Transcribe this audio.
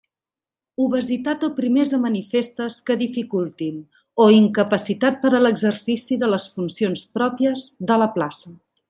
Obesitat o primesa manifestes que dificultin o incapacitat per a l'exercici de les funcions pròpies de la plaça.